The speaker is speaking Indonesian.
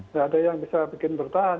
nggak ada yang bisa bikin bertahan